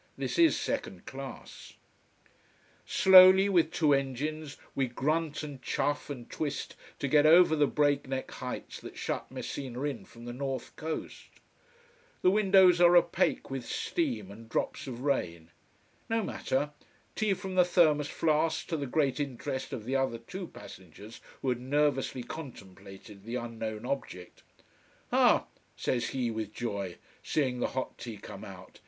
This is second class. Slowly, with two engines, we grunt and chuff and twist to get over the break neck heights that shut Messina in from the north coast. The windows are opaque with steam and drops of rain. No matter tea from the thermos flask, to the great interest of the other two passengers who had nervously contemplated the unknown object. "Ha!" says he with joy, seeing the hot tea come out.